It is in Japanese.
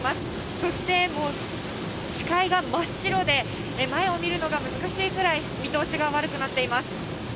そして、視界が真っ白で、前を見るのが難しいくらい見通しが悪くなっています。